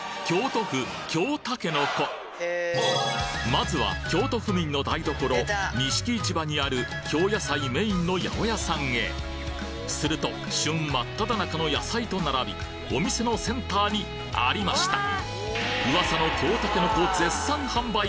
まずは京都府民の台所錦市場にある京野菜メインの八百屋さんへすると旬真っ只中の野菜と並びお店のセンターにありました噂の京たけのこ